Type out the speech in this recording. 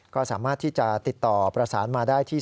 ก็สามารถที่จะติดต่อประสานมาได้ที่